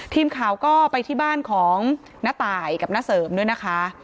ทีมข่าวก็ไปที่บ้านของน้าตายกับน้าเสริมด้วยนะคะ